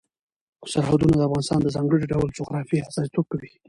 سرحدونه د افغانستان د ځانګړي ډول جغرافیه استازیتوب کوي.